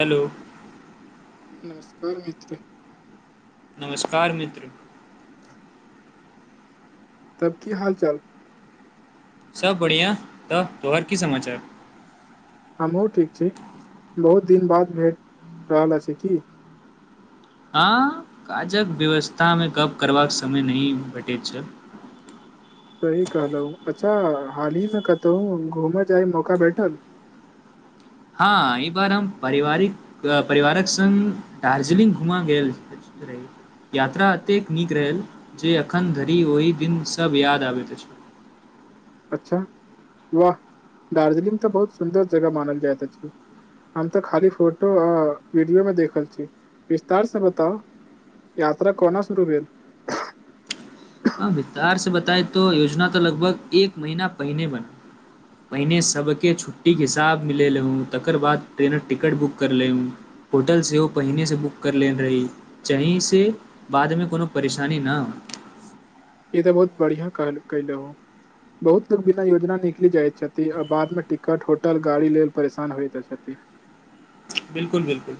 Hello. नमस्कार मित्र। नमस्कार मित्र। तब की हाल चाल। सब बढ़िआ, तऽ तोहर की समाचार? हमहुँ ठीक छी, बहुत दिन बाद भेट रहल अछि छी, की हँ काजक व्यवस्थामे गप्प करबाक समय नहि भेटैत छै। सही कहलहु, अच्छा हाल ही मे कतहु घूमै जाय मौका बैठल? हँ ई बार हम पारिवारिक पुरा परिवारक संग दार्जिलिंग घुमा गेल अछी। यात्रा एतेक नीक रहल जे अखन धरि ओहि दिन सब याद आबैत अछि। अच्छा, वाह, दार्जिलिंग तऽ बहुत सुन्दर जगह मानल जायत अछी। हम तऽ खाली फोटो आ वीडियो मे देखल छी, विस्तार सॅ बताउ। यात्रा कोना शुरू भेल। हँ विस्तार स बताए तो योजना तऽ लगभग एक महीना पहिने बन पहिने सबके छुट्टीके हिसाब मिलेलहूं, तकर बाद ट्रेनक टिकट बुक करलेहुं। होटल सेहो पहिने से बुक कर लेने रही चहीं से, बादमे कोनो परेशानी ना हो। ई तऽ बहुत बढ़िया काल केलहूँ। बहुत लोग बिना योजना निकलि जाइत छथि, आ बाद मे टिकट, होटल, गाड़ी लेल परेशान होयत छथि। बिल्कुल- बिल्कुल।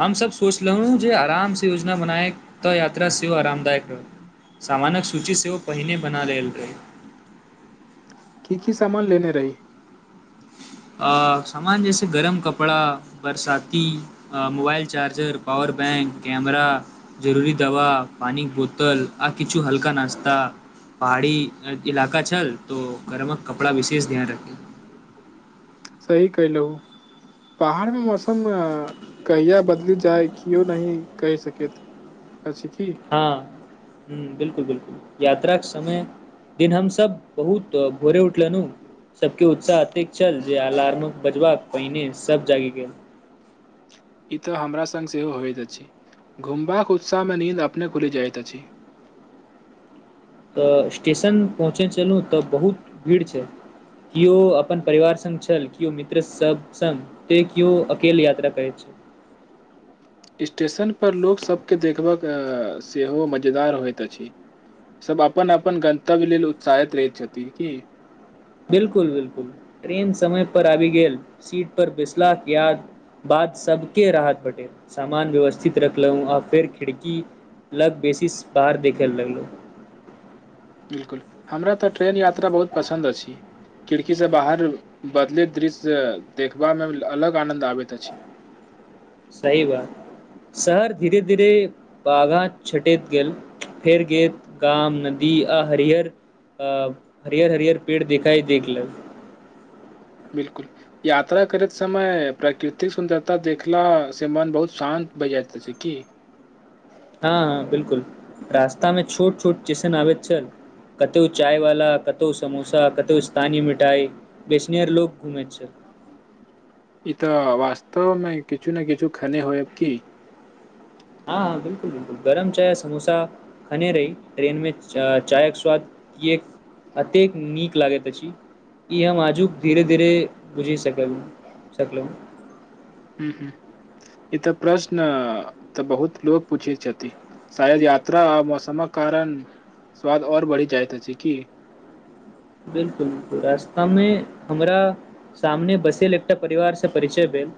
हम सब सोचलहुॅ जे आराम से योजना बनाए, तऽ यात्रा सेहो आरामदायक रहत। सामानक सूची सेहो पहिने बना लेल रहि। की की सामान लेने रही। आ, सामान जे से गरम कपड़ा, बरसाती ह mobile charger, power bank, camera जरूरी दवा, पानिक बोतल, आ किछु हल्का नास्ता। पहाड़ी इलका छल तो गरमक कपड़ा विशेष ध्यान रखै। सही कयलहुं। पहाड़मे मौसम कहिया बदलि जाय केओ नहि कहि सकैत अछि की। हँ- हूँ बिलकुल-बिलकुल। यात्राक समय दिन हमसब बहुत भोरे उठलनु। सबके उत्साह एतेक छल जे अलार्म बजबाक पहिने सब जागि गेल। ई तऽ हमरा संग सेहो होइत अछि घुमबाक उत्साह मे नींद अपने खुलि जाइत अछि। अ स्टेशन पहुँचै छलहुँ तऽ बहुत भीड़ छै। किओ अपन परिवार संग छल किओ मित्रसभ संग ते क्यो अकेल यात्रा करै छै। स्टेशनपर लोक सबके देखबाक सेहो मजेदार होइत अछि। सब अपन अपन गंतव्य लेल उत्साहित रहैत छथिन की। बिलकुल- बिलकुल। ट्रेन समय पर आबि गेल सीट पर बैसलाके बाद बाद सबके राहत भेटे। सामान व्यवस्थित रखलहु आ फेर खिड़की लग बेसी बाहर देखै लगलहुँ। बिलकुल। हमरा तऽ ट्रेन यात्रा बहुत पसन्द अछि। खिड़की से बाहर बदलेत दृश्य देखबामे अलग आनंद आबैत अछि। सही बात। शहर धीरे धीरे बाघा छटैत गेल, फेर गेल गाम, नदी आ हरियर अ हरियर हरियर पेड़ देखाइ देखलक। बिलकुल। यात्रा करैत समय प्राकृतिक सुन्दरता देखला से मन बहुत शान्त भइ जाइत छैय कि। हँ- हँ बिलकुल। रास्ता में छोट छोट स्टेशन आबैत छल कतहु चायवाला, कतहु समोसा, कतहु स्थानीय मिठाइ। बेचनियर लोक घुमे छैय। ई तऽ वास्तव मे किछु ने किछु खने होयब की। हँ -हँ बिलकुल। गरम चाय, समोसा खने रही। ट्रेन में च चायके स्वाद एक अतेक नीक लागैत अछि। ई हम आजुक धीरे धीरे बुझि सकल सकलहुँ। हू- हू ई तऽ प्रश्न तऽ बहुत लोग पूछै छथि। शायद यात्रा आ मौसमक कारण स्वाद और बढ़ी जायत अछि की? बिलकुल रस्ता मे हमरा सामने बैसल एकटा परिवारसँ परिचय भेल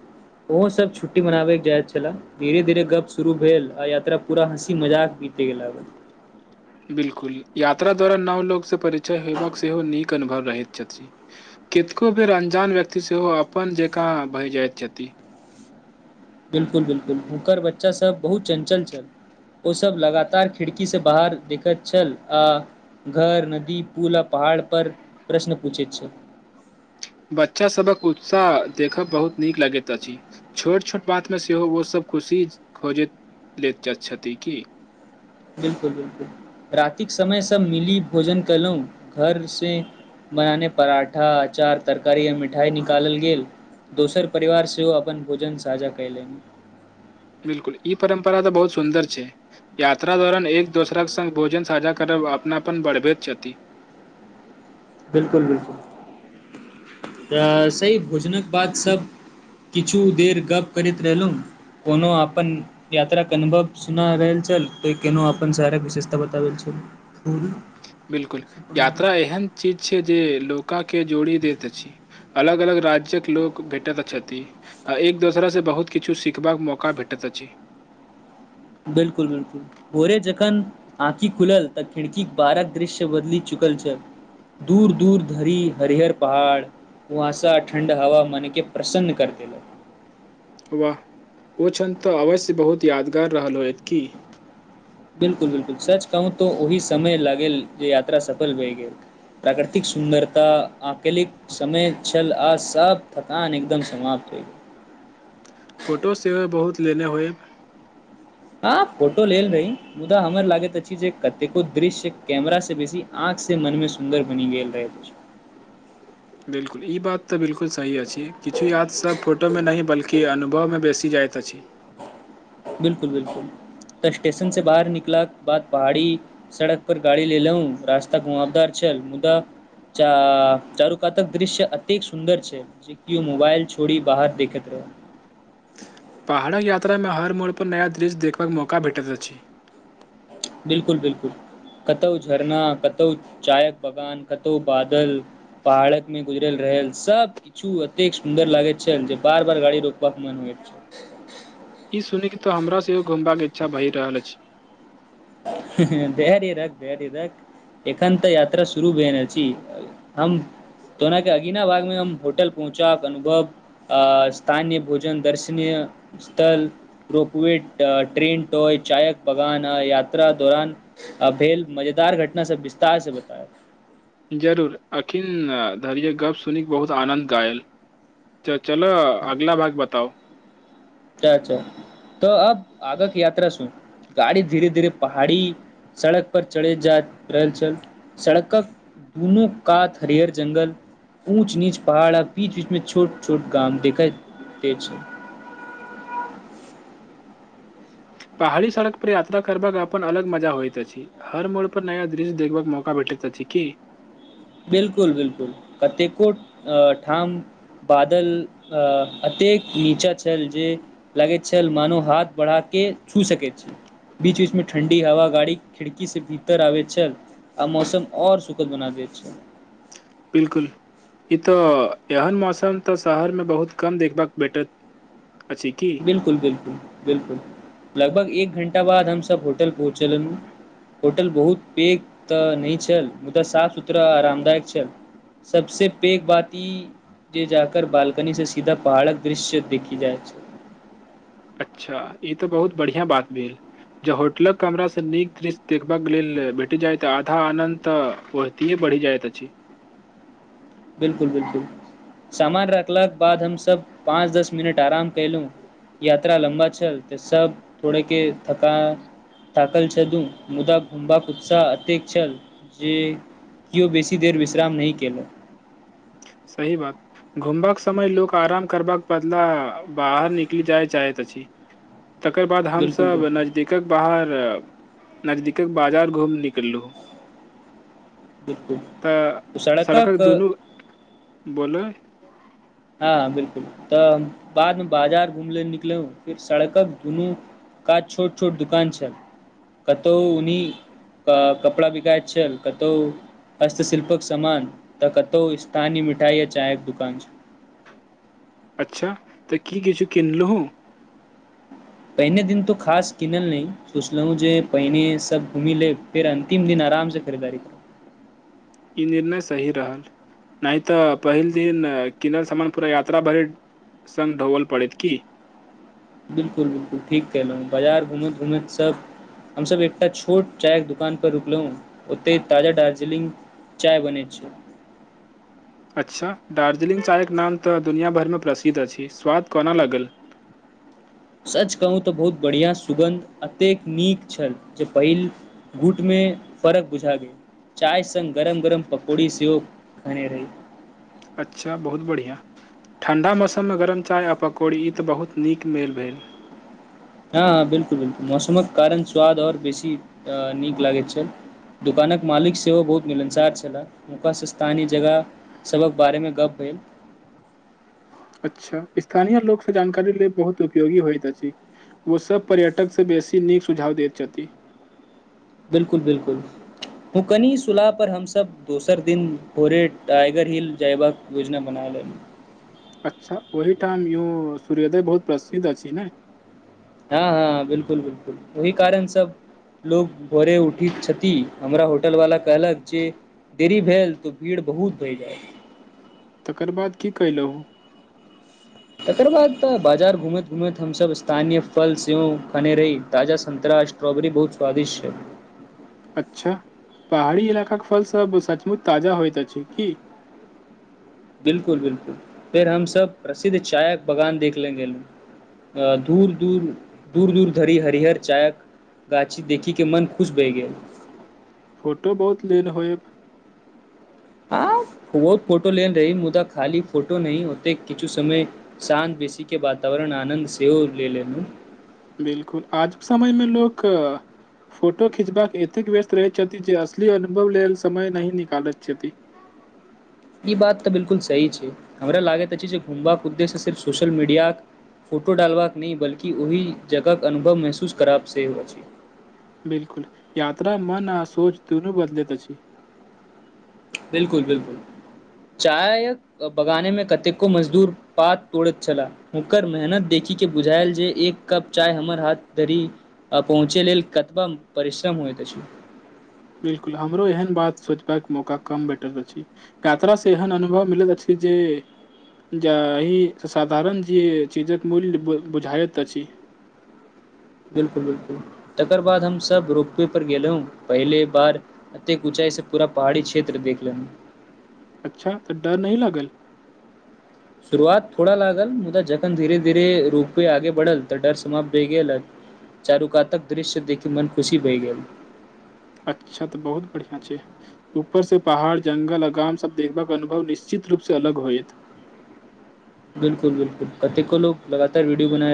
ओहो सब छुट्टी मनाबे के जाय छला। धीरे- धीरे गप शुरू भेल आ यात्रा पूरा हँसी मजाक बी [unintelligible] बिलकुल यात्रा द्वारा नव लोकसँ परिचय होयबाक सेहो नीक अनुभव रहैत छथिन। कतेको बेर अन्जान व्यक्ति सेहो अपन जकाँ भय जाइत छथि। बिलकुल -बिल्कुल। हुनकर बच्चासभ बहुत चञ्चल छल। ओसभ लगातार खिड़की से बाहर देखैत छल आ घर, नदी, पुल आ पहाड़ पर प्रश्न पूछे छै। बच्चा सभक उत्साह देखब बहुत नीक लगैत अछि। छोट छोट बातमे सेहो ओसभ खुशी खोजैत ल छथि की? बिलकुल- बिलकुल। रातिक समय सब मिली भोजन कलहु घर से बनाने पराठा अचार तरकारी य मिठाई निकालल गेल। दोसर परिवार सेहो अपन भोजन साझा कयलनि। बिलकुल ई परम्परा तऽ बहुत सुन्दर छै। यात्रा दौरान एक दोसरे सङ्ग भोजन साझा करब अपनापन बढ़बैत छथि। बिलकुल बिलकुल तऽ सही भोजनक बात सब किछु देर गप्प करैत रहलहुँ कोनो आपन यात्राक अनुभव सुना रहे छल ते केनो अपन सारक विशेषता बताबै छल। [inaudible] बिल्कुल यात्रा एहन चीज छै जे लोकाके जोड़ि दैत अछि। अलग अलग राज्यक लोक भेटैत छथि। ह एक दोसरासँ बहुत किछु सीखबाक मौका भेटैत अछि। बिल्कुल बिलकुल। भोरे जखन आँखी खुलल तऽ खिड़कीक बारक दृश्य बदली चुकल छल। दूर दूर धरि हरिहर पहाड़। कुहासा ठण्ड हवा मन के प्रसन्न कर देलक। वाह ओ क्षण तऽ अवश्य बहुत यादगार रहल होयत की? बिलकुल बिलकुल सच कहूँ तो ओहि समय लागल जे यात्रा सफल भय गेल। प्राकृतिक सुन्दरता आंकलिक समय छल आ सब थकान एकदम समाप्त होइ गेल। फोटो सेहोमे बहुत लेने होयब? ह फोटो लेल रही मुदा हमर लागैत अछि जे कतेको दृश्य कैमरा से बेसी आँखिसँ मनमे सुन्दर बनि गेल रहैत अछि। बिलकुल ई बात तऽ बिलकुल सही अछि। किछु याद सब फोटोमे नहि बल्कि अनुभवमे बेसी जाइत अछि। बिलकुल बिलकुल तऽ स्टेशन से बाहर निकला के बाद बाहरी सड़क पर गाड़ी ले लउ रास्ता घुमाबदार छल मुदा च चारुकातक दृश्य अतेक सुन्दर छै जे किओ मोबाइल छोड़ि बाहर देखैत रहूं। पहाड़क यात्रामे हर मोड़पर नया दृश्य देखबाक मौका भेटैत अछि। बिलकुल बिलकुल कतहु झरना कतहु चायक बगान कतहु बादल। पहाड़क मे गुजरल रहल सब पछु एतेक सुन्दर लागे छल जे बार बार गाड़ी रोकबाक मन होयत छल। ई सुन के तो हमरा सेहो घूमबाक के इच्छा भहि रहल अछि। ह ह धैर्य रख, धैर्य रख, एखन तऽ यात्रा शुरू भय रहल छी। हम तोना के अगीना बार मे हम होटल पहुँचाक अनुभव अ स्थानय भोजन दर्शनीय स्थल रोकविट ट्रेनटॉय चायक बगान आ या त्रा दौरान अभेल मजेदार घटना से विस्तार से बतायब। जरूर अखिन धरियै गप्प सुनि कऽ बहुत आनन्द गायल। त चलऽ अगला भाग बताउ। अच्छा अच्छा तऽ अब आगक यात्रा सुन गाड़ी धीरे धीरे पहाड़ी सड़क पर चढेल जा रहल छल सड़कक दुनू कात हरियर जंगल ऊंच नीच पहाड़ आ बीच बीच में छोट छोट गाम देखेत अछि। [inaudible] पहाड़ी सड़क पर यात्रा करबाक अपन अलग मजा होइत अछि। हर मोड़ पर नया दृश्य देखबाक मौका भेटैत अछि की? बिलकुल बिलकुल कतेको ठाम बादल अतेक नीचाँ छल जे लागैत छल मानो हाथ बढ़ा के छू सकैत छी। बीच बीच में ठंडी हवा गाड़ीक खिड़की से भीतर आबैत छल। अ मौसम आऔर सुखद बना दैत छल। बिलकुल ई तऽ एहन मौसम तऽ शहर मे बहुत कम देखबाक भेटत अछि की,? बिलकुल बिलकुल बिलकुल लगभग एक घण्टा बाद हम सब होटल पहुँचलु। होटल बहुत पैघ तऽ नै छल मुदा साफ सुथरा आरामदायक छल। सब से पेघ बात ई जे जाकर बालकनी से सीधा पहाड़क दृश्य देखि जाय छै। अच्छा ई तऽ बहुत बढ़िआँ बात भेल। ज होटलक हमरा से नीक दृश्य देखबा के लेल भेटी जाय तऽ आधा आनद तऽ तए बढ़ी जायत अछि। बिलकुल बिलकुल सामान रखलाक बाद हम सब पाँच दस मिनट आराम केएलू। यात्रा लम्बा छल तऽ सब थोड़े के थकान थाकल छदू, मुदा घुमबाक उत्साह अतेक छल जे केओ बेसी देर विश्राम नहि केलहुं। सही बात घुमबाक समय लोक आराम करबाक बदला बाहर निकलि जाय चाहैत अछि। [inaudible] तकर बाद बिल्कुल हमसब बिल्कुल नजदीकक बाहर नजदीकक बाजार घूम निकललहुँ। बिल्कुल तऽ तो सड़क सड़कक दुनू बोलह हँ बिलकुल तऽ बादमे बाजार घुमले निकलु फिर सड़कक दुनू कात छोट छोट दुकान छल, कतौह उनी कपड़ा बिकायत छल कतहु हस्तशिल्पक समान तऽ कतौ स्थानीय मिठाइ आ चायके दुकान छल। अच्छा तऽ की किछु किनलहुँ? पहिने दिन तऽ खास किनल नहि सोचलहुँ जे पहिने सभ घूमि लेब फेर अन्तिम दिन आराम से खरीदारी ई निर्णय सही रहल नहि तऽ पहिल दिन किनल समान पूरा यात्रा भरिे संग ढोवल पड़ैत की। बिलकुल बिलकुल ठीक कयलहुँ बाजार घुमैत घुमैत सभ हम सभ एकटा छोट चायके दुकान पर रुकलहुँ ओतै ताजा दार्जिलिंग चाय बनै छै। अच्छा, दार्जिलिंग चायके नाम तऽ दुनिआँ भरिमे प्रसिद्ध अछि स्वाद कोना लागल? सच कहू तऽ बहुत बढ़िआँ सुगन्ध एतेक नीक छल जे पहिल घूंट मे फर्क बुझा गेल। चाय सङ्ग गरम गरम पकौड़ी सेहो खयने रही। अच्छा बहुत बढ़िआँ। ठंढ़ा मौसम मे गरम चाय आ पकौड़ी ई तऽ बहुत नीक मेल भेल। हँ हँ बिलकुल बिलकुल मौसमक कारण स्वाद आओर बेसी नीक लागैत छल। दोकानक मालिक सेहो बहुत मिलनसार छलाह, हुनका स स्थानीय जगह सबक बारे मे गप भेल। अच्छा स्थानीय लोकोसँ जानकारी ल बहुत उपयोगी होइत अछि छै। ओ सब पर्यटकसँ बेसी नीक सुझाव दैत छथिन। बिल्कुल बिल्कुल। फुकनी सुलाह पर हमस दोसर दिन भोरे टाइगर हिल जयबाक योजना बना ले। अच्छा ओहिठाम य सूर्योदय बहुत प्रसिद्ध अछि ने। हँ हँ बिलकुल बिलकुल ओहि कारण सब। लोग भोरे उठी छथि हमरा होटल वाला कहलक जे। देरी भेल तऽ भीड़ बहुत भय जाइत। तकर बाद की कलहु। तकर बाद तऽ बाजार घूमैत घूमैत हमस स्थानीय फल सेहो खने रही ताजा संतरा। स्ट्रॉबेरी बहुत स्वादिष्ट छै। अच्छा पहाड़ी इलाकाके फलसभ सचमुच ताजा होइत अछि की। बिलकुल बिलकुल फेर हम सबब प्रसिद्ध चाय बगान देखले गेले ल। अ दूर दूर दूर दूर धरि हरिहर चायक। गाछी देखी के मन खुश भहि गेल। फोटो बहुत लेन होइ। आ बहुत फोटो लेल रही मुदा खाली फोटो न ओते किछु समय। शांत बेसी के वातावरण आनन्द सेहो ले लेनू। बिलकुल आजुक समय में लोक। फोटो खिचबाक एतेक व्यस्त रहैत छथि जे असली अनुभव लेल समय नहि निकालैत छथि। ई बात तऽ बिलकुल सही छै हमरा लागैत अछि जे घुमबाक उद्देश्य सिर्फ सोशल मीडियाक। फोटो डालबाक नहि बल्कि ओहि जगह के अनुभव महसूस करब सेहो अछि। बिलकुल यात्रा मन आ सोच दुनू बदले त छी। बिलकुल बिलकुल चाय य। बगाने में कतेको मजदूर पात तोड़ैत छलला। ओकर मेहनत देखिक के बुझायल जे एक कप चाय हमर हाथ तरी। पहुँचे लेल कतबम परिश्रम होइत अछि। बिलकुल हमरो एहन बात सोचबाक मौका कम भेटल अछि। कातराससँ एहन अनुभव मिलैत अछि जे। जे एहि साधारण जेी चीजक मूल्य बुझाइत अछि। बिल्कुल बिल्कुल तकर बाद हम सब रोपवे पर गेले ह पहले बार। एतेक ऊचाइस पुरा पहाड़ी क्षेत्र देख लेन। अच्छा तऽ डर न लागल। शुरुआत थोड़ा लागल मुदा जखन धीरे धीरे रूपे आगे बढ़ल तऽ डर समाप्त भए गेल। चारुकातक दृश्य देखी मन खुशी बहि गेल। अच्छा तऽ बहुत बढ़िआँ छै। ऊपर से पहाड़ जंगल आगाम सब देखब के अनुभव निश्चित रूप से अलग होयत। बिल्कुल बिल्कुल कतेको लोग लगातार वीडियो बनाए रहे।